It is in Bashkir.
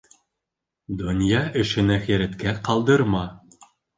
Донъя эшен әхирәткә ҡалдырма.